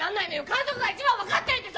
⁉監督が一番分かってるんだよ‼